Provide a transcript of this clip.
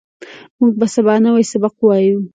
موږ به سبا نوی سبق وایو